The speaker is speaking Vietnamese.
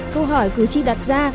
câu hỏi cử tri đặt ra